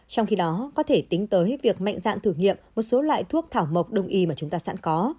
trong khi đó có thể tính tới việc mạnh dạn thử nghiệm một số loại thuốc thảo mộc đông y mà chúng ta sẵn có